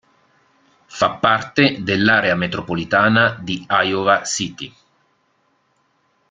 Fa parte dell'area metropolitana di Iowa City.